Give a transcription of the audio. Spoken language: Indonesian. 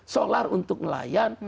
solar untuk nelayan